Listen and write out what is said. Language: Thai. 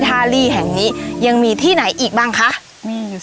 สะพานหินทาลีตัวผู้ที่มีจุดสังเกตที่ก้อนหินสองก้อนที่บริเวณสะพานนี่แหละค่ะ